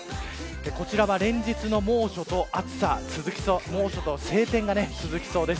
こちらは連日の猛暑と暑さ猛暑と晴天が続きそうです。